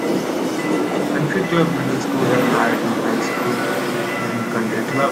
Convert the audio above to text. Country Club Middle School and American High School are in Country Club.